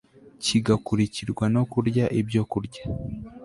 kigakurikirwa no kurya ibyokurya